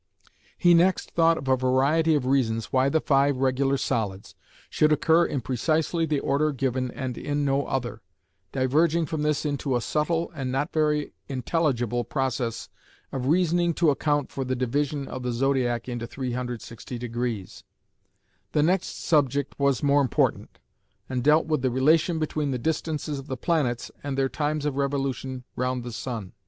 He next thought of a variety of reasons why the five regular solids should occur in precisely the order given and in no other, diverging from this into a subtle and not very intelligible process of reasoning to account for the division of the zodiac into 360°. The next subject was more important, and dealt with the relation between the distances of the planets and their times of revolution round the sun.